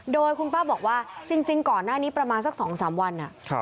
โดยคุณป้าบอกว่าจริงก่อนหน้านี้ประมาณสัก๒๓วัน